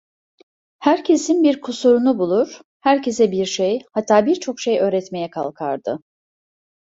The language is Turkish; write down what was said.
Herkesin bir kusurunu bulur, herkese bir şey, hatta birçok şey öğretmeye kalkardı.